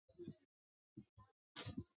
后来他任华北政务委员会委员。